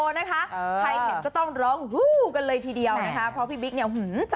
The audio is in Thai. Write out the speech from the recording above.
ใครเห็นก็ต้องร้องวู้จริงกันเลยทีเดียวนะคะ